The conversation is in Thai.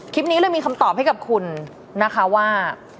คลิปนี้เลยมีคำตอบให้กับคุณนะคะว่า